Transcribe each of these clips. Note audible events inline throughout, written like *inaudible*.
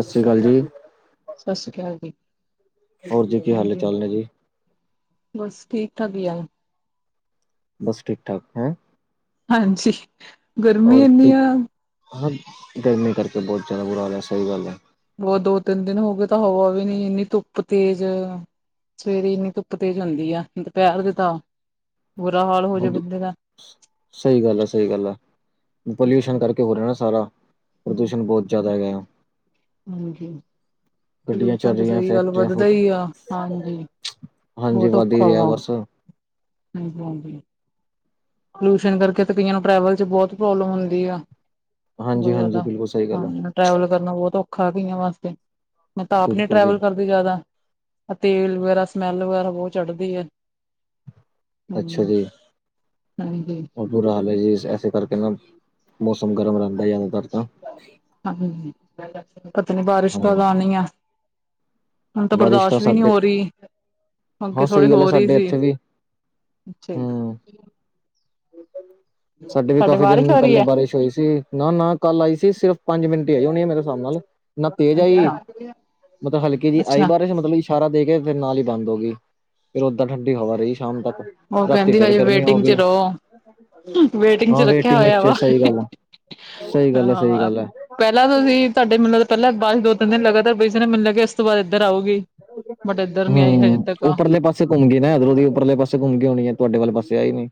ਅਸੀ ਕਾਲ ਜੀ। ਸਸ੍ਰੀ ਕਾਲ ਜੀ। ਹੋਰ ਜੀ ਕੀ ਹਾਲ ਏ ਹਾਂਜੀ ਚਾਲ ਨੇ ਜੀ? ਬਸ ਠੀਕ ਠਾਕ ਈ ਐ। ਬਸ ਠੀਕ ਠਾਕ ਹੈਂ? ਹਾਂਜੀ। ਗਰਮੀ ਔਰ ਇੰਨੀ ਕੀ ਆ ਹਨ, ਗਰਮੀ ਕਰਕੇ ਬੋਹਤ ਜਾਦਾ ਬੁਰਾ ਹਾਲ ਐ ਸਈ ਗੱਲ ਐ। ਹੋਰ ਦੋ ਤਿੰਨ ਦਿਨ ਹੋ ਗਏ ਤਾਂ ਹਵਾ ਵੀ ਨੀ ਇੰਨੀ ਧੁੱਪ ਤੇਜ਼ ਸਵੇਰੇ ਇੰਨੀ ਧੁੱਪ ਤੇਜ ਹੁੰਦੀ ਆ, ਦੁਪਹੇਰ ਦੇ ਤਾਂ ਬੁਰਾ ਹਾਲ ਹੋ ਜੇ ਬੰਦੇ ਦਾ। ਸਈ ਗੱਲ ਐ ਸਈ ਗੱਲ ਐ। ਪੋਲਿਊਸ਼ਨ ਕਰਕੇ ਹੋ ਰੇਹਾ ਨਾ ਸਾਰਾ, ਪ੍ਰਦੂਸ਼ਣ ਬੋਹਤ ਜਾਦਾ ਹੈਗਾ ਆ। ਹਾਂਜੀ *unintelligible* ਗੱਡੀਆਂ ਚੱਲ ਤੇ ਰਹੀਆਂ ਸਈ ਗੱਲ ਫੈਕਟਰੀਆਂ ਵੱਧਦਾ ਫੁੱਟ ਈ ਆ ਹਾਂਜੀ। ਹਾਂਜੀ ਵੱਧ ਈ ਰੇਆ ਬਸ। ਹਾਂਜੀ-ਹਾਂਜੀ। ਪੋਲਿਊਸ਼ਨ ਕਰਕੇ ਤੇ ਕਈਆਂ ਨੂੰ ਟਰੈਵਲ ਚ ਬੋਹਤ ਪ੍ਰੋਬਲਮ ਹੁੰਦੀ ਆ। ਹਾਂਜੀ ਬੋਤ ਹਾਂਜੀ ਜਾਦਾ ਬਿਲਕੁਲ ਸਹੀ ਗੱਲ ਹੈ ਪਾਣੀ ਦਾ ਟਰੈਵਲ ਕਰਨਾ ਬੋਹਤ ਔਖਾ ਕਈਆ ਵਾਸਤੇ, ਮੈਂ ਤਾਂ ਆਪ ਨੀ ਬਿਲਕੁਲ ਜੀ ਟਰੈਵਲ ਕਰ ਦੀ ਜਾਦਾ, ਤੇਲ ਵਗੈਰਾ ਸਮੈਲ ਵਗੈਰਾ ਬੋਹਤ ਚੜਦੀ ਐ। ਹਮ ਹਾਂਜੀ। ਬੋਹਤ ਬੁਰਾ ਹਾਲ ਐ ਜੀ, ਐਸੇ ਕਰਕੇ ਨਾ ਮੌਸਮ ਗਰਮ ਰੇਹੰਦਾ ਜ਼ਿਆਦਾਤਰ ਤਾਂ ਹਾਂਜੀ, ਪਤਾ ਨੀ ਬਾਰਿਸ਼ ਹਾਂ ਕਦ ਆਣੀ ਐ? ਹੁਣ ਤੇ ਬਾਰਿਸ਼ ਤਾਂ ਬਰਦਾਸ਼ ਵੀ ਨੀ ਸਾਡੇ ਹੋ ਰਈ, ਹਾਂ ਅੱਗੇ ਥੋੜੀ ਸਹੀ ਗੱਲ ਹੈ ਹੋ ਰਈ ਸਾਡੇ ਸੀ। ਇੱਥੇ ਵੀ ਅੱਛਾ ਜੀ। ਹਮ ਸਾਡੇ ਵੀ ਤੁਹਾਡੇ ਕਾਫੀ ਬਾਰਿਸ਼ ਦਿਨ ਹੋ ਰਹੀ ਪੇਹਲੇ ਹੈ ਬਾਰਿਸ਼ ਹੋਈ ਸੀ। ਨਾ-ਨਾ ਕੱਲ ਆਈ ਸੀ ਸਿਰਫ਼ ਪੰਜ ਮਿੰਟ ਈ ਆਈ ਹੋਣੀ ਐ ਮੇਰੇ ਸਾਬ ਨਾਲ। ਨਾ ਤੇਜ਼ ਆਈ, ਅੱਛਾ ਮਤਲਬ ਹਲਕੀ ਜੀ ਆਈ ਅੱਛਾ ਬਾਰਿਸ਼ ਮਤਲਬ ਸਾਰਾ ਦੇ ਕੇ ਫਿਰ ਨਾਲ ਈ ਬੰਦ ਹੋ ਗਈ, ਫਿਰ ਓਦਾਂ ਠੰਡੀ ਹਵਾ ਰਈ ਸ਼ਾਮ ਤੱਕ। ਉਹ ਰਾਤੀ ਕੇਹੰਦੀ ਫੇਰ ਹਜੇ ਗਰਮੀ ਹੋ ਵੇਟਿੰਗ ਚ ਗਈ ਰੋ। ਵੇਟਿੰਗ ਚ ਹਾਂ ਰੱਖੇਆ ਹੋਏਆ ਵਿੱਚ ਵਾ ਸਹੀ ਗੱਲ ਹੈ ਸਹੀ ਗੱਲ ਹੈ ਸਹੀ ਹਾਂ। ਗੱਲ ਹੈ ਪੇਹਲਾਂ ਤੁਸੀ ਤੁਹਾਡੇ ਮਤਲਬ ਪੇਹਲਾ ਬਾਰਿਸ ਦੋ ਤਿੰਨ ਦਿਨ ਲਗਾਤਾਰ ਪਈ ਸੀ ਨਾ ਮੈਨੂੰ ਲੱਗੇਆ ਉਸ ਤੋਂ ਬਾਅਦ ਇੱਧਰ ਆਊਗੀ, ਬਟ ਇੱਧਰ ਨੀ ਆਈ ਹਜੇ ਹੂੰ ਤੱਕ ਉੱਪਰਲੇ ਪਾਸੇ ਘੁੰਮਕੇ ਨਾ ਇਧਰੋਂ ਦੀ ਉੱਪਰਲੇ ਪਾਸੇ ਘੁੰਮ ਕੇ ਆਓਣੀ ਐ ਤੁਹਾਡੇ ਵਾਲੇ ਪਾਸੇ ਆਈ‌ ਨੀ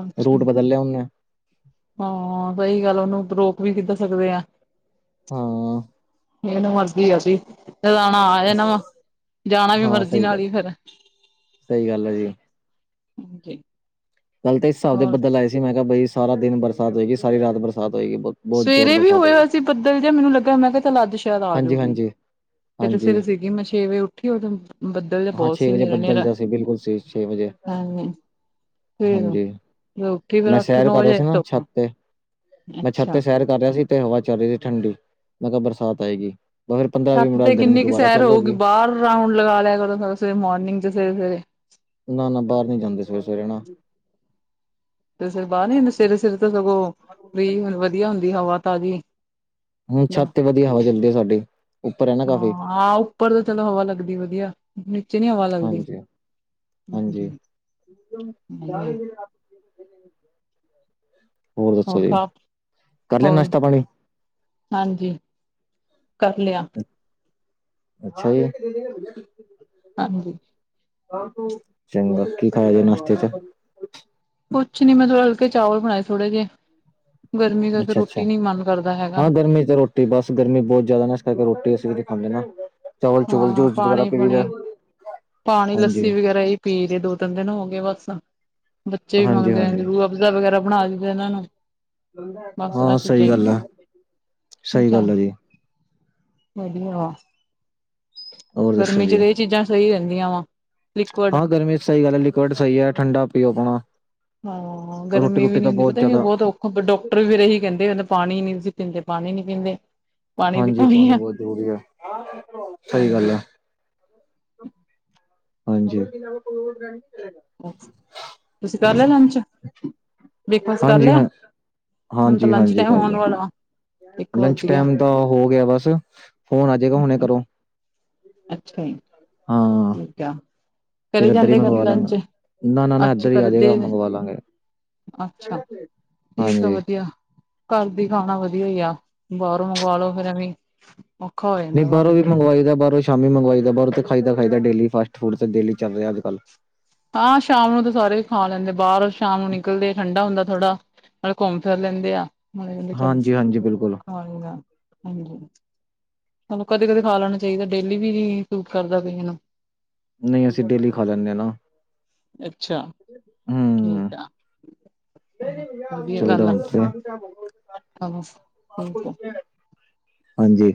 ਅੱਛਾ ਰੂਟ ਬਦਲ ਲਿਆ ਉਹਨੇ ਹਾਂ ਸਹੀ ਗੱਲ ਆ ਉਹਨੂੰ ਆਪਾਂ ਰੋਕ ਵੀ ਕਿੱਧਾਂ ਸਕਦੇ ਆ। ਹੂੰ, ਚਲੋ ਮਰਜੀ ਐ ਔਦੀ, ਜਦੋ ਆਣਾ ਆ ਜਾਣਾ ਵਾ, ਜਾਣਾ ਵੀ ਮਰਜੀ ਨਾਲ ਈ ਫਿਰ ਸਈ ਗੱਲ ਐ ਜੀ। ਹਾਂ ਜੀ, ਕੱਲ ਤੇ ਇਸ ਹਿਸਾਬ ਦੇ ਬੱਦਲ ਆਏ ਸੀ ਮੈਂ ਕਿਹਾ ਬਈ ਸਾਰਾ ਦਿਨ ਬਰਸਾਤ ਹੋਏਗੀ ਸਾਰੀ ਰਾਤ ਬਰਸਾਤ ਹੋਏਗੀ ਬੋਤ ਸਵੇਰੇ ਵੀ ਹੋਇਆ ਹੋਆ ਸੀ ਬੱਦਲ ਜਿਹਾ ਮੈਨੂੰ ਲੱਗਾ ਮੈਂ ਕਿਹਾ ਚੱਲ ਅੱਜ ਸ਼ਾਇਦ ਹਾਂਜੀ ਆਜੂਗੀ। ਹਾਂਜੀ ਤੇ ਸਵੇਰੇ ਹਾਂਜੀ, ਸਵੇਰੇ ਸੀਗੀ ਮੈਂ ਛੇ ਵਜੇ ਉੱਠੀ ਉਦੋ ਬੱਦਲ ਦਾ ਹਾਂ ਬੋਤ ਛੇ ਸੀ ਵਜੇ ਨੇਰਾ ਬੱਦਲ ਨੇਰਾ। ਜਾ ਸੀ ਬਿਲਕੁਲ ਸੀ ਛੇ ਵਜੇ, ਹਾਂਜੀ। ਫੇਰ ਹਾਂਜੀ, ਉੱਠੀ ਫੇਰ ਮੈਂ ਅੱਠ ਸੈਰ ਨੌ ਕਰ ਰਿਹਾ ਵਜੇ ਸੀ ਨਾ ਧੁੱਪ ਛੱਤ ਤੇ। ਮੈਂ ਛੱਤ ਅੱਛਾ ਤੇ ਸੈਰ ਕਰ ਰਿਹਾ ਸੀ ਤੇ ਹਵਾ ਚੱਲ ਰਹੀ ਸੀ ਠੰਡੀ, ਮੈਂ ਕਿਹਾ ਬਰਸਾਤ ਆਏਗੀ। ਪੰਦਰਾਂ ਵੀਹ ਛੱਤ ਮਿੰਟ ਤੇ ਬਾਅਦ ਗਰਮੀ ਕਿੰਨੀ ਕੁ ਦੁਬਾਰਾ ਸੈਰ ਚੱਲ ਹੋ ਹੋਊਗੀ ਗਈ। ਬਾਰ ਰਾਊਂਡ ਲਗਾ ਲਿਆ ਕਰੋ ਸਵਸੇ ਮੋਰਨਿੰਗ ਚ ਸਵੇਰੇ-ਸਵੇਰੇ। ਨਾ ਨਾ ਬਾਰ ਨੀ ਜਾਂਦੇ ਸਵੇਰੇ ਸਵੇਰੇ ਨਾ ਤੇ ਸਵੇਰੇ ਸਵੇਰੇ ਬਾਰ ਨੀ ਹੁੰਦੇ ਸਵੇਰੇ ਸਵੇਰੇ ਤਾਂ ਸਗੋਂ, ਫਰੀ ਵਧੀਆ ਹੁੰਦੀ ਹਵਾ ਤਾਜ਼ੀ। ਹੂੰ ਛੱਤ ਤੇ ਵਧੀਆ ਹਵਾ ਚੱਲਦੀ ਏ ਸਾਡੇ। ਹਾਂ ਆਹ ਉੱਪਰ ਤਾਂ ਚਲੋ ਹਵਾ ਲੱਗਦੀ ਵਧੀਆ। ਨੀਚੇ ਨੀ ਹਵਾ ਲੱਗਦੀ ਹਾਂਜੀ ਹਾਂਜੀ, *unintelligible* ਦੱਸੋ ਹੋਰ ਜੀ, *unintelligible* ਕਰ ਲਿਆ ਹੋਰ ਨਾਸ਼ਤਾ ਪਾਣੀ? ਹਾਂਜੀ, ਕਰ ਲਿਆ। ਅੱਛਾ ਜੀ। ਹਾਂਜੀ, ਚੰਗਾ ਕੀ ਖਾਇਆ ਜੇ ਨਾਸ਼ਤੇ ਚ। ਕੁਛ ਨੀ ਮਤਲਬ ਹਲਕੇ ਚਾਵਲ ਬਣਾਏ ਥੋੜੇ ਜੇ, ਗਰਮੀ ਕਰਕੇ ਰੋਟੀ ਨੀ ਮਨ ਕਰਦਾ ਹੈਗਾ। ਗਰਮੀ ਤੇ *unintelligible* ਤੇ ਬਸ ਗਰਮੀ ਬਹੁਤ ਜ਼ਿਆਦਾ ਨਾ ਇਸ ਕਰਕੇ ਰੋਟੀ ਅਸੀਂ ਵੀ ਖਾਂਦੇ ਨਾ। ਚਾਵਲ ਚੁਵਲ ਹਾਂ ਜੂਸ ਵਗੈਰਾ ਪਾਣੀ ਪੀ ਲਈਦਾ ਪੂਣੀ, ਪਾਣੀ ਹਾਂਜੀ ਲੱਸੀ ਵਗੈਰਾ ਜੀ। ਪੀ ਦੇ ਦੋ ਤਿੰਨ ਦਿਨ ਹੋ ਗਏ ਬਸ। ਬੱਚੇ ਵੀ ਮੰਗਦੇ ਆ ਹਾਂਜੀ ਰੂ ਅਬਜ਼ਾ ਵਗੈਰਾ ਬਣਾ ਦਿੰਦੇ ਆ ਇਹਨਾਂ ਨੂੰ। ਬਸ ਆਹ ਹਾਂ ਚੀਜ਼ਾਂ ਸਹੀ ਗੱਲ ਐ ਹੀ ਸਹੀ ਗੱਲ ਚੱਲ ਐ ਜੀ। ਵਧੀਆ ਵਾ ਹੋਰ ਦੱਸੋ ਗਰਮੀ ਚ ਜੀ ਤਾਂ ਇਹ ਚੀਜ਼ਾਂ ਸਹੀ ਰਹਿੰਦੀਆਂ ਵਾ। ਲਿਕੁਡ ਹਾਂ ਗਰਮੀ ਚ ਸਹੀ ਗੱਲ ਐ ਲਿਕਵਡ ਸਈ ਐ ਠੰਡਾ ਪੀਓ ਆਪਣਾ। ਹਾਂ ਰੋਟੀ ਗਰਮੀ ਵੀ ਰੋਟੀ ਨੀ ਤਾਂ ਹੁੰਦੀ ਪਤਾ ਕੀ ਜ਼ਿਆਦਾ ਬਹੁਤ ਔਖਾ ਫੇਰ ਡਾਕ *unintelligible* ਇਹੀ ਕਹਿੰਦੇ ਆ ਨਾ ਪਾਣੀ ਨੀ ਜੀ ਪੀਂਦੇ ਪਾਣੀ ਨੀ ਪੀਂਦੇ। ਪਾਣੀ ਦੀ ਹਾਂਜੀ ਕਮੀ ਪਾਣੀ ਆ ਬਹੁਤ ਜ਼ਰੂਰੀ ਐ ਸਹੀ ਗੱਲ ਹਾਂਜੀ ਐ। ਹਾਂਜੀ, ਅੱਛਾ ਤੁਸੀਂ ਕਰ ਲਿਆ ਲੰਚ, ਬ੍ਰੇਕਫਾਸਟ ਕਰ ਲਿਆ? ਹੁਣ ਤਾਂ ਲੰਚ ਹਾਂਜੀ-ਹਾਂਜੀ ਟਾਈਮ ਕਰ ਹੋਣ ਲਿਆ, ਵਾਲਾ ਇੱਕ ਲੰਚ ਵੱਜ ਗਿਆ ਟੈਮ ਤਾਂ ਹੋ ਗਿਆ ਬਸ, ਫੋਨ ਆਜੇਗਾ ਹੁਣੇ ਕਰੋ। ਅੱਛਾ ਜੀ। ਹੂੰ, ਕਆ ਕਰੀ ਜਾਂਦੇ ਕਰਨ ਲੰਚ, ਨਾ ਨਾ ਨਾ ਅੱਛ ਇੱਧਰ ਹੀ ਆ ਜਾਏਗਾ ਕਰਦੇ। ਮੰਗਵਾ ਲਾਂਗੇ ਅੱਛਾ ਠੀਕ ਆ ਹਾਂਜੀ ਵਧੀਆ ਘਰ ਦੀ ਖਾਣਾ ਵਧੀਆ ਈ ਆ ਬਾਰੋਂ ਮੰਗਵਾ ਲੋੋ ਫੇਰ ਐਂਵੀ ਨਈ ਬਾਰੋਂ ਵੀ ਮੰਗਵਾਈ ਦਾ ਬਾਰੋਂ ਸ਼ਾਮੀ ਮੰਗਵਾਈ ਦਾ ਬਾਰ ਤੇ ਖਾਈ ਦਾ-ਖਾਈ ਦਾ ਡੇਲੀ ਫਾਸ ਫੂਡ ਤੇ ਡੇਲੀ ਚੱਲ ਰਿਆ ਅੱਜ ਕੱਲ ਹਾਂ ਸ਼ਾਮ ਨੂੰ ਤਾਂ ਸਾਰੇ ਖਾ ਲੈਂਦੇ ਬਾਰ ਸ਼ਾਮ ਨੂੰ ਨਿਕਲਦੇ ਠੰਡਾ ਹੁੰਦਾ ਥੋੜਾ ਨਾਲੇ ਘੁੰਮ ਫਿਰ ਲੈਂਦੇ ਆ ਨਾਲੇ ਕੈਂਦੇ ਚਲ ਹਾਂਜੀ ਹਾਂਜੀ ਬਿਲਕੁਲ ਖਾ ਲੋ ਬਾਰ ਹਾਂਜੀ। ਹੁਣ ਕਦੇ-ਕਦੇ ਖਾ ਲੈਣਾ ਚਾਈਦਾ ਡੇਲੀ ਵੀ ਸੂਟ ਕਰਦਾ ਕਈਆਂ ਨੂੰ ਨਈ ਅਸੀ ਡੇਲੀ ਖਾ ਲੈਂਨੇ ਨਾ। ਅੱਛਾ ਹੂੰ ਠੀਕ ਆ ਚਲੋ ਵਧੀਆ ਚੱਲਦਾ ਗੱਲ ਆ ਹੁਣ ਤੇ *inaudible* ਹਾਂਜੀ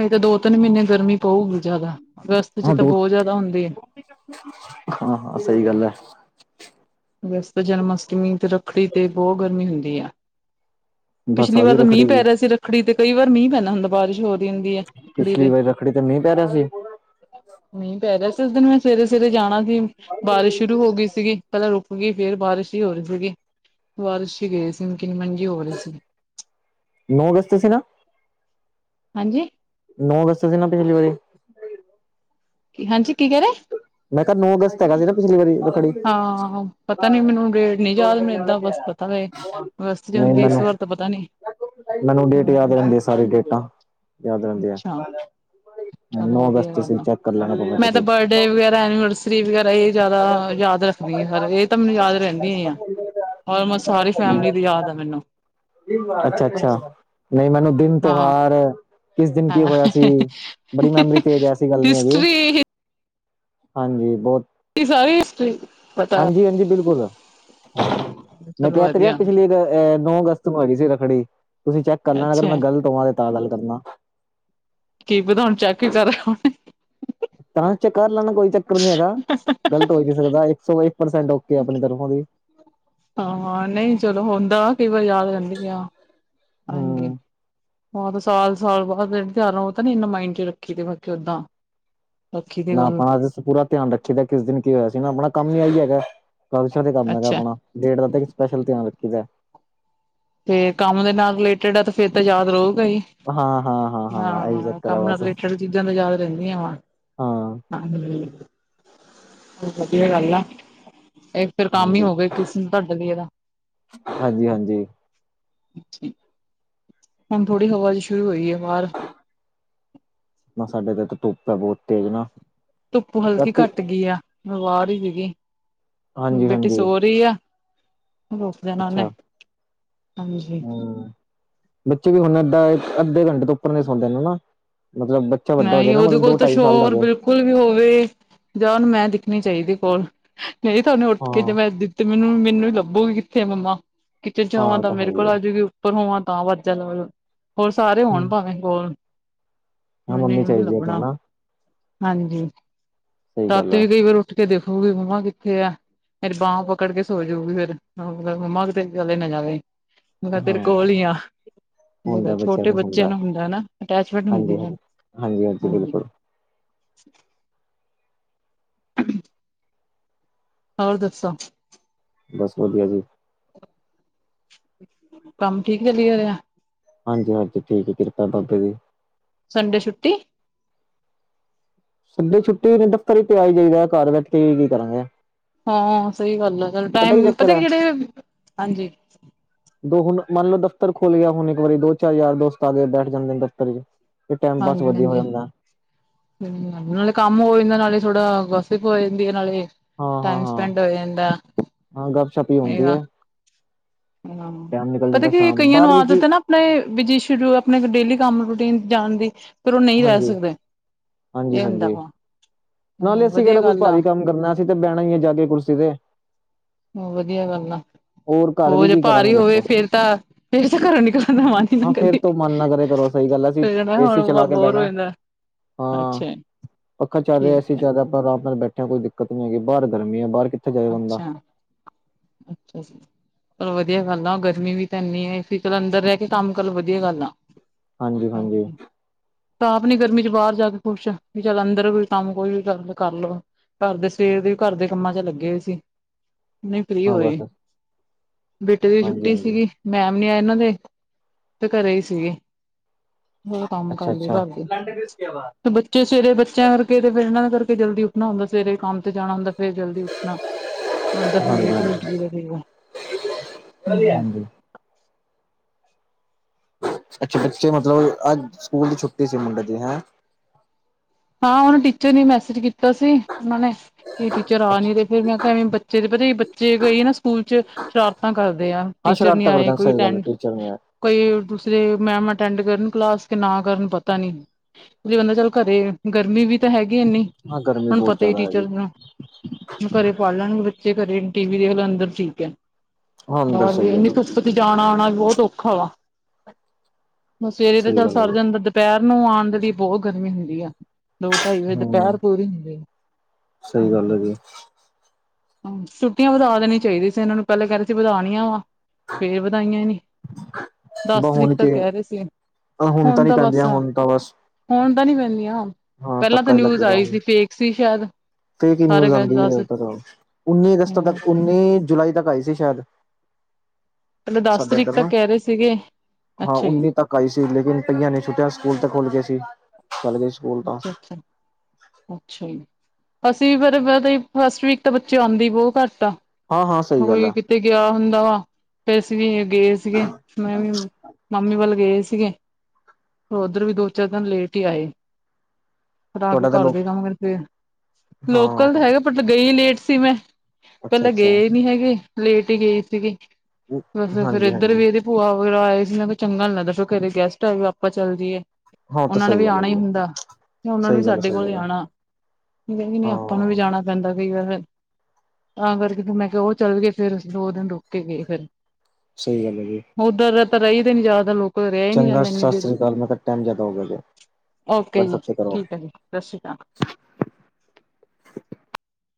ਆ ਤਾਂ ਦੋ ਤਿੰਨ ਮ੍ਹੀਨੇ ਗਰਮੀ ਪਊਗੀ ਜਾਦਾ ਅਗਸਤ 'ਚ ਤਾਂ ਬੋ ਜਾਦਾ ਹੁੰਦੀ ਏ। ਹਾਂ-ਹਾਂ ਸਈ ਗੱਲ ਏ। ਅਗਸਤ ਜਨਮ ਅਸ਼ਟਮੀ ਤੇ ਰੱਖੜੀ ਤੇ ਬੋ ਗਰਮੀ ਹੁੰਦੀ ਆ। ਬਸ ਪਿਛਲੀ ਆ ਗਈ ਵਾਰ ਮੀਂਹ ਰੱਖੜੀ ਪੈ ਦੀ ਰਿਆ ਸੀ ਰੱਖੜੀ ਤੇ ਕਈ ਵਾਰ ਮੀਂਹ ਪੈਂਦਾ ਹੁੰਦਾ ਬਾਰਸ਼ ਹੋਰ ਪਿਛਲੀ ਵਾਰੀ ਰੱਖੜੀ ਤੇ ਮੀਂਹ ਪੈ ਰਿਆ ਸੀ। ਮੀਂਹ ਪੈ ਰਿਆ ਸੀ ਇਸ ਦਿਨ ਮੈਂ ਸਵੇਰੇ- ਸਵੇਰੇ ਜਾਣਾ ਸੀ ਬਾਰਿਸ਼ ਸ਼ੁਰੂ ਹੋ ਗਈ ਸੀਗੀ। ਪੈਲਾਂ ਰੁਕ ਗਈ ਫੇਰ ਬਾਰਿਸ਼ ਈ ਹੋ ਰਈ ਸੀਗੀ ਬਾਰਿਸ਼ 'ਚ ਗਏ ਸੀ ਕਿੰਨ-ਮਿੰਨ ਹੋ ਰਈ ਸੀਗੀ। ਨੋ ਅਗਸਤ ਸੀ ਨਾ। ਹਾਂਜੀ ਨੋ ਅਗਸਤ ਦੀ ਸੀ ਨਾ ਪਿਛਲੀ ਵਾਰ ਹਾਂਜੀ ਕੀ ਕੈ ਰਏ। ਮੈਂ ਕਿਆ ਨੋ ਅਗਸਤ ਹੈਗਾ ਸੀ ਨਾ ਪਿਛਲੀ ਵਾਰੀ ਰੱਖੜੀ ਨਹੀਂ ਹਾਂ ਪਤਾ ਨੀ ਮੈਨੂੰ ਰੇਟ ਨਈ ਯਾਦ ਮੈ ਏਦਾਂ ਬਸ ਪਤਾ ਵ ਬਸ ਅਗਸਤ 'ਚ ਹੁੰਦੀ ਇਸ ਮੈਨੂੰ ਵਾਰ ਤਾਂ ਪਤਾ ਨਈ। ਮੈਨੂੰ ਡੇਟ ਯਾਦ ਰੈਂਦੀ ਆ ਸਾਰੀ ਡੇਟਾਂ ਯਾਦ ਰੈਂਦੀਆਂ। ਅੱਛਾ ਚਲੋ ਨੋ ਅਗਸਟ ਵਧੀਆ ਗੱਲ ਤੁਸੀ ਆ। ਚੈੱਕ ਕਰ ਲੈ ਬ ਮੈਂ *unintelligible* ਬਰਡੇ ਵਗੈਰਾ ਐਨੀਵਰਸਰੀ ਵਗੈਰਾ ਏ ਜਾਦਾ ਯਾਦ ਰੱਖਦੀ ਏ ਹਰ ਏ ਤਾਂ ਮੈਨੂੰ ਯਾਦ ਰੈਂਦੀ ਆਂ। ਆਲਮੋਸਟ ਸਾਰੀ ਫੈਮਿਲੀ ਦੀ ਯਾਦ ਆ ਮੈਨੂੰ ਅੱਛਾ-ਅੱਛਾ ਬਸ ਨਈ ਮੈਨੂੰ ਦਿਨ ਹਾਂ ਤਿਉਹਾਰ ਕਿਸ ਦਿਨ ਕੀ ਹੋਇਆ ਸੀ ਬੜੀ ਮੈਮਰੀ ਤੇਜ ਆ ਐਸੀ ਗੱਲ ਨੀ ਹੈਗੀ। ਹਿਸਟਰੀ ਹਾਂਜੀ ਬੋਤ ਤੇ ਸਾਰੇ ਹਿਸਟਰੀ ਪਤਾ ਹਾਂਜੀ-ਹਾਂਜੀ ਬਿਲਕੁਲ *inaudible* ਮੈਂ ਕੈ ਤੇ ਰਿਆ ਵਧੀਆ ਪਿਛਲੀ ਬਾਰ ਨੋ ਅਗਸਤ ਨੂੰ ਹੈਗੀ ਸੀ ਰੱਖੜੀ ਤੁਸੀਂ ਚੈੱਕ ਕਰ ਲੈਣਾ ਅਗਰ ਅੱਛਾ ਮੈਂ ਗਲਤ ਹੋਵਾਂ ਤੇ ਤਾਂ ਗੱਲ ਕਰਨਾ। ਕੀ ਪਤਾ ਹੁਣ ਚੈੱਕ ਈ ਕਰ ਰਿਆ ਹੋਵੇ। ਤਾਂ ਚੈਕ ਕਰ ਲੈਣਾ ਕੋਈ ਚੱਕਰ ਨੀ ਹੈਗਾ ਗਲਤ ਹੋ ਨੀ ਸਕਦਾ ਇੱਕ ਸੌ ਪਰ ਸਾਡਾ ਓਕੇ ਆ ਆਪਣੀ ਤਰਫੋ ਜੀ। ਹਾਂ-ਹਾਂ ਨਈ ਚਲੋ ਹੁੰਦਾ ਕਈ ਵਾਰ ਯਾਦ ਰੈਂਦੀ ਆ ਹਾਂਜੀ। ਹਮ ਹਾਂ ਤੇ ਸਾਲ-ਸਾਲ ਬਾਦ ਜੇੜੇ ਤਿਉਹਾਰ ਓ ਤਾਂ ਨੀ ਇਨਾ ਮਾਈੰਡ 'ਚ ਰੱਖੀ ਦੇ ਬਾਕੀ ਓਦਾਂ ਰੱਖੀ ਦੀ ਨਾ ਗੱਲ ਆਪਣਾ ਜ ਪੂਰਾ ਧਿਆਨ ਰੱਖੇ ਦਾ ਕਿਸ ਦਿਨ ਕੀ ਹੋਇਆ ਸੀ ਨਾ ਆਪਣਾ ਕੰਮ ਨੀ ਆਈ ਹੈਗਾ। ਕਲਚਰ ਤੇ ਕੰਮ ਹੈਗਾ ਅੱਛਾ ਆਪਣਾ ਡੇਟ ਦਾ ਤਾਂ ਇੱਕ ਸਪੈਸ਼ਲ ਧਿਆਨ ਰੱਖੀ ਦਾ ਤੇ ਕੰਮ ਦੇ ਨਾਲ ਰਿਲੇਟਡ ਆ ਤੇ ਫੇਰ ਤਾਂ ਯਾਦ ਰਊਗਾ ਈ। ਹਾਂ-ਹਾਂ-ਹਾਂ-ਹਾਂ ਆਈ ਚੱਕਰ ਏ ਵੈਸੇ ਰਿਲੇਟਡ ਚੀਜ਼ਾਂ ਤੇ ਯਾਦ ਰਹਿੰਦੀਆਂ ਵਾ ਹਾਂਜੀ। ਵਧੀਆ ਗੱਲ ਆ, ਇਹ ਫੇਰ ਕੰਮ ਹੀ ਹਾਂਜੀ ਹੋਵੇ ਕਿਸ ਨੂੰ ਤੁਹਾਡੇ ਲਈ ਇਹਦਾ। ਹਾਂਜੀ-ਹਾਂਜੀ। ਹੁਣ ਥੋੜੀ ਹਵਾ ਜੀ ਸ਼ੁਰੂ ਹੋਈ ਏ ਬਾਹਰ। ਨਾ ਸਾਡੇ ਤੇ ਤਾਂ ਧੁੱਪ ਹੈ ਬਹੁਤ ਤੇਜ਼ ਨਾ। ਧੁੱਪ ਹਲਕੀ ਰਾਤੀ ਘੱਟ ਗਈ ਆ, ਮੈਂ ਬਾਹਰ ਹੀ ਸੀਗੀ। ਹਾਂਜੀ ਬੇਟੀ ਹਾਂਜੀ ਸੋ ਰਹੀ ਆ, ਹੁਣ ਉੱਠ ਜਾਣਾ ਓਹਨੇ। ਹਮ ਬੱਚੇ ਵੀ ਹੁਣ ਏਧਾਂ ਅੱਧੇ ਘੰਟੇ ਤੋਂ ਉੱਪਰ ਨ ਸੌਂਦੇ ਨੇ ਨਾ ਮਤਲਬ ਵੱਡਾ ਹੋ ਜਾਏ ਨਹੀਂ ਨਾ ਉਹਦੇ ਮਤਲਬ ਕੋਲ ਦੋ ਤਾਂ ਢਾਈ ਸਾਲ ਦਾ ਹੋ ਸ਼ੋਰ ਜਾਏ ਬਿਲਕੁਲ ਬਿਲਕੁਲ ਵੀ ਹੋਵੇ ਜਾਂ ਉਹਨੂੰ ਮੈਂ ਦਿਖਣੀ ਚਾਹੀਦੀ ਕੋਲ ਨਹੀਂ ਤਾਂ ਓਹਨੇ ਉੱਠ ਹਾਂ ਕੇ ਜੇ ਮੈਂ ਤੇ ਮੈਨੂੰ-ਮੈਨੂੰ ਈ ਲੱਭੂਗੀ ਕਿੱਥੇ ਆ ਮੰਮਾ। ਕਿਚਨ ਹਾਂ ਹੋਵਾਂ ਉਹ ਤਾਂ ਹੈ ਮੇਰੇ ਹੀ ਕੋਲ ਹੈ ਆ ਜਾੂਗੀ, ਉੱਪਰ ਹੋਵਾਂ ਤਾਂ ਵਾਜਾਂ ਨਾਲ। ਹੋਰ ਸਾਰੇ ਹੋਣ ਹੂੰ, ਭਾਵੇਂ ਕੋਲ ਹਾਂ ਮੰਮੀ ਨੂੰ ਚਾਹੀਦੀ ਹੈ ਤੂੰ ਲੱਭਣਾ ਨਾ ਹਾਂਜੀ। ਸਹੀ ਗੱਲ ਰਾਤੀ ਹੈ ਵੀ ਕਈ ਵਾਰ ਉੱਠ ਕੇ ਦੇਖੂਗੀ ਮੰਮਾ ਕਿੱਥੇ ਆ। ਫੇਰ ਬਾਂਹ ਪਕੜ ਕੇ ਸੋ ਜਾਊਗੀ ਫੇਰ ਮੰਮਾ ਕਿਤੇ ਚਲੇ ਨਾ ਜਾਵੇ। ਮੈ ਤੇਰੇ ਹਾਂ ਕੋਲ ਈ ਆ। ਜਿਵੇ ਛੋਟੇ ਬੱਚੇ ਨੂੰ ਹੁੰਦਾ ਨਾ, ਅਟੈਚਮੈਂਟ ਹੁੰਦੀ ਹੈ। ਹਾਂਜੀ-ਹਾਂਜੀ, ਹਾਂਜੀ ਬਿਲਕੁਲ। ਹੋਰ ਦੱਸੋ? ਬਸ ਵਧੀਆ ਜੀ‌। ਕੰਮ ਠੀਕ ਚਲੀ ਜਾ ਰਿਹਾ? ਹਾਂਜੀ-ਹਾਂਜੀ ਠੀਕ ਹੈ, ਕਿਰਪਾ ਬਾਬੇ ਦੀ। ਸੰਡੇ ਛੁੱਟੀ? ਸੱਡੇ ਛੁੱਟੀ ਮੈ ਦਫ਼ਤਰ ਹੀ ਪੈਅ ਇ ਜਾਈਦਾ, ਘਰ ਬੈਠ ਕੇ ਕੀ ਕਰਾਂਗਾ। ਹਾਂ ਸਹੀ ਗੱਲ ਆ, ਚਲ ਟਾਈਮ ਚੱਕਰ ਪਤਾ ਹੈ ਕੀ ਜਿਹੜੇ, ਹਾਂਜੀ। ਦੋ ਹੁਣ ਮੰਨ ਲਓ ਦਫ਼ਤਰ ਖੋਲ੍ਹ ਗਿਆ ਹੁਣ ਇੱਕ ਵਾਰੀ, ਦੋ-ਚਾਰ ਯਾਰ ਦੋਸਤ ਆ ਗਏ ਬੈਠ ਜਾਂਦੇ ਨੇ ਦਫ਼ਤਰ ਚ। ਤੇ ਟਾਈਮ ਪਾਸ ਵਧੀਆ ਹੋ ਹਾਂਜੀ-ਹਾਂਜੀ। ਜਾਂਦਾ ਹਮ, ਨਾਲੇ ਕੰਮ ਹੋ ਜਾਂਦਾ। ਨਾਲੇ ਥੋੜਾ ਗੋਸਿਪ ਹੋ ਜਾਂਦੀ ਏ ਨਾਲੇ ਹਾਂ ਹਾਂ ਟਾਈਮ ਹਾਂ ਸਪੈੰਡ ਹੋ ਜਾਂਦਾ। ਹਾਂ ਗੱਪ ਸ਼ੱਪ ਹੀ ਹੁੰਦੀ ਇਹਗਾ ਹੈ ਹਮ ਟਾਈਮ ਨਿਕਲ ਪਤਾ ਜਾਂਦਾ ਕੀ, ਸ਼ਾਮ ਕਈਆਂ ਨੂੰ ਬਾਹਰ ਵੀ ਆਦਤ ਕੀ ਐ ਨਾ ਆਪਣੇ ਬੀਜੀ ਸ਼ੂਡੇਅ ਆਪਣੇ ਡੇਲੀ ਡੇਲੀ ਕੰਮ ਰੂਟੀਨ ਜਾਣ ਦੀ। ਉਹ ਨਹੀਂ ਰਹਿ ਹਾਂਜੀ, ਸਕਦੇ ਇਹ ਹੁੰਦਾ ਹਾਂਜੀ-ਹਾਂਜੀ, ਵਾ ਹਾਂ ਨਾਲੇ ਅਸੀਂ ਕਿਹੜਾ ਵਧੀਆ ਕੋਈ ਗੱਲ ਆ ਭਾਰੀ ਕੰਮ ਕਰਨਾ। ਤੇ ਬਹਿਣਾ ਈ ਹੈ ਜਾ ਕੇ ਕੁਰਸੀ ਤੇ। ਹਮ, ਵਧੀਆ ਗੱਲ ਆ। ਘਰ ਹੋਰ ਵੀ ਜੇ ਕੀ ਭਾਰੀ ਕਰਾਂਗੇ ਹੀ ਹੋਵੇ, ਦੱਸੋ ਫੇਰ ਤਾਂ ਫੇਰ ਤਾਂ ਘਰੋਂ ਨਿਕਲਣ ਦਾ ਮਨ ਹੀ ਨਾ ਹਾਂ ਫੇਰ ਕਰੇ। ਤੋਂ ਮਨ ਨਾ ਕਰੇ ਘਰੋ ਸਹੀ ਗੱਲ ਆ। ਅਸੀ ਫੇਰ ਨਾ ਏਸੀ ਹੁਣ ਚਲਾ ਕੇ ਬੋਰ ਹੋ ਬਹਿਣਾ। ਜਾਂਦਾ ਹਾਂ, ਅੱਛਾ ਪੱਖਾ ਚੱਲ ਰਿਹਾ ਠੀਕ ਅਸੀ ਹੈ ਚੱਲ ਆਪਾਂ ਅਰਾਮ ਨਾਲ ਬੈਠੇ ਆ, ਕੋਈ ਦਿੱਕਤ ਨੀ ਹੈਗੀ ਬਾਹਰ ਗਰਮੀ ਹੈ ਬਾਹਰ ਕਿੱਥ ਅੱਛਾ, ਅੱਛਾ ਜੀ। ਚਲੋ ਵਧੀਆ ਗੱਲ ਆ। ਗਰਮੀ ਵੀ ਤਾਂ ਇੰਨੀ ਏ ਈ ਸੀ ਚ ਅੰਦਰ ਰਹਿ ਕੇ ਕੰਮ ਕਰਲੋ ਵਧੀਆ ਗੱਲ ਆ। ਹਾਂਜੀ। ਤਾਂ ਆਪ ਨੀ ਗਰਮੀ ਚ ਬਾਹਰ ਜਾ ਕੇ ਖੁਸ਼ ਵੀ ਚੱਲ ਅੰਦਰ ਕੋਈ ਕੰਮ ਕੋਈ ਵੀ ਗਾ ਕਰ ਲਓ। ਘਰ ਦੇ ਸਵੇਰ ਦੇ ਈ ਘਰ ਦੇ ਕੰਮਾਂ ਚ ਲੱਗੇ ਗੇ ਸੀ। ਹੁਣ ਫ੍ਰਰੀ ਹਾਂ ਹੋਏ, ਬਸ ਬੇਟੇ ਦੀ ਹਾਂਜੀ ਛੁੱਟੀ ਹਾਂਜੀ ਸੀਗੀ। ਮੈਮ ਨੀ ਆਏ ਇਹਨਾਂ ਦੇ, ਤੇ ਘਰੇ ਹੀ ਸੀਗੇ। ਹੋਰ ਕੰਮ ਅੱਛਾ ਕਰਲੇ ਅੱਛਾ ਘਰ ਦੇ। ਬੱਚੇ ਸਵੇਰੇ ਬੱਚਿਆਂ ਕਰਕੇ ਫਿਰ ਇਹਨਾਂ ਦੇ ਕਰਕੇ ਜਲਦੀ ਉੱਠਣਾ ਹੁੰਦਾ, ਸਵੇਰੇ ਕੰਮ ਤੇ ਜਾਣਾ ਹੁੰਦਾ, ਫੇਰ ਜਲਦੀ ਉਠ ਨਾ, ਹੁਣ ਤਾਂ ਫਿਰ ਲੇਟ ਈ ਉਠ ਹਾਂਜੀ ਜਾਉਗਾ ਫਿਰ ਹਾਂਜੀ ਅੱਛਾ, ਬੱਚੇ ਮਤਲਬ ਅ ਅੱਜ ਸਕੂਲ ਦੀ ਛੁੱਟੀ ਸੀ ਮੁੰਡੇ ਦੀ ਹੈਂ? ਹਾਂ, ਓਨੇ ਟੀਚਰ ਨੇ ਮੈਸੇਜ ਕੀਤਾ ਸੀ, ਉਹਨਾਂ ਨੇ ਕੀ ਟੀਚਰ ਆ ਅੱਛਾ ਨਹੀ ਰਹੇ ਤੇ ਫਿਰ ਮੈਂ ਕਿਹਾ ਵ ਬੱਚੇ ਦੇ ਪਤਾ ਬੱਚੇ ਗਏ ਨਾ ਸਕੂਲ ਚ ਸ਼ਰਾਰਤਾਂ ਕਰਦੇ ਆ, ਹਾਂ ਟੀਚਰ ਨੀ ਸ਼ਰਾਰਤਾਂ ਆਏ ਕਰਦਾ ਕੋਈ ਸਹੀ ਗੱਲ ਹੈ ਅਟੈਂਡ ਟੀਚਰ ਨੇ ਕੋਈ ਦੂਸਰੇ ਮੈਮ ਅਟੈਂਡ ਕਰਨ ਕਲਾਸ ਕੇ ਨਾ ਕਰਨ ਪਤਾ ਨਹੀਂ। ਵੀ ਐਨਾ ਚੱਲ ਘਰੇ ਗਰਮੀ ਵੀ ਤਾਂ ਹੈਗੀ ਏਨੀ, ਹਾਂ ਗਰਮੀ ਹੁਣ ਬਹੁਤ ਪਤਾ ਹੀ ਜ਼ਿਆਦਾ ਹੈਗੀ ਟੀਚਰਜ਼ ਨੂੰ ਵੀ ਘਰੇ ਪੜ ਲੈਣਗੇ ਬੱਚੇ ਘਰੇ ਆ ਟੀ ਵੀ ਦੇਖ ਲੈਣ ਅੰਦਰ ਠੀਕ ਐ। ਹਾਂ ਅੰਦਰ ਬਾਹਰ ਵੀ ਸਹੀ ਹੈ ਇੰਨੀ ਧੁੱਪ ਜਾਣਾ ਆਣਾ ਵੀ ਬਹੁਤ ਔਖਾ ਵਾ, ਮ ਸਵੇਰੇ ਤੇ ਸਹੀ ਚੱਲ ਗੱਲ ਸਰ ਹੈ ਜਾਂਦਾ ਦੁਪਿ ਹਰ ਨੂੰ ਆਣ ਦੇ ਲਈ ਬਹੁਤ ਗਰਮੀ ਹੁੰਦੀ ਆ। ਦੋ -ਢਾਈ ਵਜੇ ਹਮ ਦੁਪਹਿਰ ਪੂਰੀ ਹੁੰਦੀ ਆ, ਸਹੀ ਗੱਲ ਹਾਂਜੀ। ਹੈਗੀ ਛੁੱਟੀਆ ਵਧਾ ਦੇਣੀ ਚਾਹੀਦੀ ਸੀ ਇਹਨਾਂ ਨੂੰ, ਪਹਿਲਾਂ ਕਹਿੰਦੇ ਸੀ ਵਧਾਉਣੀਆਂ ਵਾ ਫੇਰ ਵਧਾਈਆਂ ਨੀ। ਦਸ ਬ ਤਰੀਕ ਹੁਣ ਤੱਕ ਕੇ ਕਹਿ ਰਹੇ ਸੀ, ਹੁਣ ਨੀ ਤਾਂ ਬਸ ਪੈਂਦੀਆਂ ਹੁਣ ਤਾਂ ਬਸ ਹੁਣ ਤਾਂ ਨਹੀਂ ਪੈਂਦੀਆਂ। ਹਾਂ ਪਹਿਲਾਂ ਤਾਂ ਧੱਕਾ ਹੀ ਨਿਊਜ਼ ਲੱਗੇਗਾ ਆਈ ਹੁਣ ਸੀ, ਫੇਕ ਸੀ ਸ਼ਾਇਦ। ਫੇਕ ਹੀ ਸਾਰੇ ਨਿਊਜ਼ ਕਹਿ ਆਂਦੀ ਹੈ ਦਸ ਜ਼ਿਆਦਾਤਰ, ਉੱਨੀ ਅਗਸਤ ਤੱਕ, ਉੱਨੀ ਜੁਲਾਈ ਤੱਕ ਆਈ ਸੀ ਸ਼ਾਇਦ। ਪਹਿਲਾਂ ਦਸ ਸਾਡੇ ਤਰੀਕ ਇੱਧਰ ਤੱਕ ਨਾ ਕਹਿ ਰਹੇ ਸੀਗੇ, ਹਾਂ ਅੱਛਾ ਜੀ। ਉੱਨੀ ਤੱਕ ਆਈ ਸੀ ਲੇਕਿਨ, ਕਈਆਂ ਨੇ ਸੋਚਿਆ ਸਕੂਲ ਤੇ ਖੁਲ ਗਏ ਸੀ, ਚੱਲ ਗਏ। ਸਕੂਲ ਤਾਂ ਅੱਛਾ -ਅੱਛਾ। ਅੱਛਾ ਜੀ। ਅਸੀਂ ਫਿਰ ਪਤਾ ਈ ਆ ਫਸਟ ਵੀਕ ਤਾਂ ਬੱਚੇ ਆਉਂਦੇ ਬਹੁਤ ਘੱਟ ਆ। ਹਾਂ ਹਾਂ ਸਹੀ ਗੱਲ ਓਈ ਆ ਕਿਤੇ ਗਿਆ ਹੁੰਦਾ ਵਾ, ਤੇ ਅਸੀਂ ਵੀ ਗਏ ਸੀਗੇ, ਮੈਂ ਵੀ ਮੰਮੀ ਵੱਲ ਗਏ ਸੀਗੇ। ਉੱਧਰ ਵੀ ਦੋ -ਚਾਰ ਦਿਨ ਲੇਟ ਹੀ ਆਏ। ਰਾ ਤੁਹਾਡਾ ਤਾਂ ਘਰ ਲੋਕ ਦੇ ਕੰਮ ਕਰ ਕੇ ਫਿਰ ਲੋਕਲ ਤਾਂ ਹਾਂ ਹੈਗਾ ਬਟ ਗਈ ਲੇਟ ਸੀ ਮੈਂ। ਅੱਛਾ ਪਹਿਲਾਂ ਅੱਛਾ ਗਏ ਨੀ ਹੈਗੇ, ਲੇਟ ਹੀ ਗਏ ਸੀਗੇ, ਬਸ ਫਿਰ ਹਾਂਜੀ ਇੱਧਰ ਹਾਂਜੀ ਵੀ ਏਦੇ ਭੂਆ ਵਗੈਰਾ ਆਏ ਸੀ ਚੰਗਾ ਨੀ ਲੱਗਦਾ ਫਿਰ ਘਰੇ ਗੈਸਟ ਆਏ ਵੀ ਆਪਾਂ ਚੱਲ ਜੀਏ। ਹਾਂ ਤਾਂ ਉਹਨਾਂ ਨੇ ਸਹੀ ਵੀ ਗੱਲ ਹੈ ਆਣਾ ਹੀ ਵੀਰੇ ਹੁੰਦਾ, ਉਹਨਾਂ ਨੂੰ ਵੀ ਸਹੀ ਗੱਲ ਹੈ ਸਾਡੇ ਸਹੀ ਕੋਲ ਈ ਗੱਲ ਹੈ ਆਣਾ ਨਹੀਂ-ਨਹੀਂ ਆਪਾਂ ਨੂੰ ਵੀ ਹਾਂ ਜਾਣਾ ਪੈਂਦਾ ਕਈ ਵਾਰ ਫਿਰ ਤਾਂ ਕਰਕੇ ਮੈਂ ਕਿਹਾ ਉਹ ਚੱਲ ਗਏ ਫਿਰ ਅਸੀਂ ਦੋ ਦਿਨ ਰੁਕ ਕੇ ਗਏ ਫਿਰ। ਸਹੀ ਗੱਲ ਹੈ ਜੀ। ਉੱਧਰ ਤਾਂ ਰਹੀਦਾ ਨੀ ਜਾਦਾ ਲੋਕ ਰਿਹਾ ਹੀ ਨੀ ਚੰਗਾ ਜਾਂਦਾ ਇੰਨੀ ਸਸ ਦੇਰ ਸ੍ਰੀ ਅਕਾਲ, ਮੈਂ ਕਿਹਾ ਟਾਈਮ ਜ਼ਿਆਦਾ ਹੋ ਗਿਆ ਜੇ। ਓਕੇ ਜੀ, ਵਟਸਐਪ ਤੇ ਕਰੋ ਠੀਕ ਹੈ ਜੀ, ਸਤਿ ਸ਼੍ਰੀ ਅਕਾਲ।